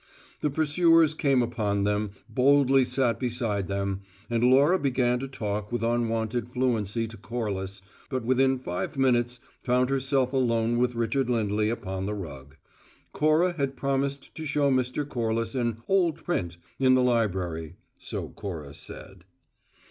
The pursuers came upon them, boldly sat beside them; and Laura began to talk with unwonted fluency to Corliss, but within five minutes found herself alone with Richard Lindley upon the rug. Cora had promised to show Mr. Corliss an "old print" in the library so Cora said.